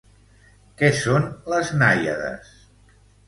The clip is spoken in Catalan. Què són les nàiades?